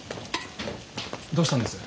どうしたんです？